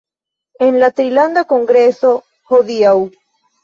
En la Trilanda Kongreso hodiaŭ